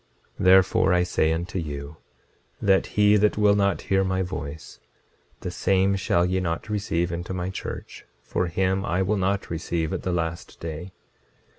26:28 Therefore I say unto you, that he that will not hear my voice, the same shall ye not receive into my church, for him I will not receive at the last day.